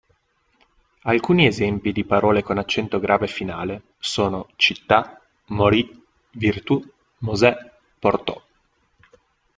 Alcuni esempi di parole con accento grave finale sono: "città", "morì", "virtù", "Mosè", "portò".